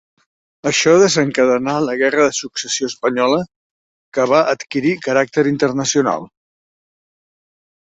Això desencadenà la Guerra de Successió Espanyola, que va adquirir caràcter internacional.